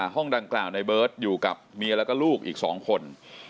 ห้องดังกล่าวในเบิร์ตอยู่กับเมียแล้วก็ลูกอีก๒คน